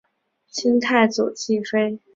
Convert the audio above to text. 清太祖继妃。